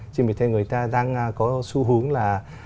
trên vì thế người ta đang có xu hướng là